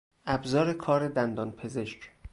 ابزار کار دندانپزشک